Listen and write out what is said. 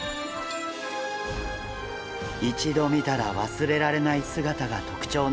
一度見たら忘れられない姿が特徴の魚です。